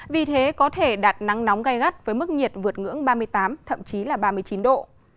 vì thế có thể đạt nắng nóng gai gắt với mức nhiệt vượt ngưỡng ba mươi tám thậm chí là ba mươi chín độ